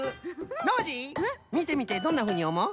ノージーみてみてどんなふうにおもう？